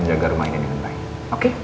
menjaga rumah ini dengan baik oke